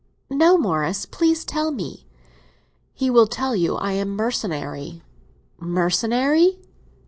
"No, Morris; please tell me." "He will tell you I am mercenary." "Mercenary?"